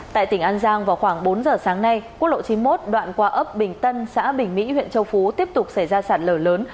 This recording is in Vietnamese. tại tỉnh an giang vào khoảng bốn giờ sáng nay quốc lộ chín mươi một đoạn qua ấp bình tân xã bình mỹ huyện châu phú tiếp tục xảy ra sạt lở lớn